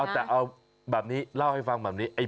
แต่เอาแบบนี้เล่าให้ฟังแบบนี้